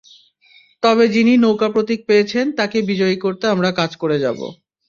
তবে যিনি নৌকা প্রতীক পেয়েছেন, তাঁকে বিজয়ী করতে আমরা কাজ করে যাব।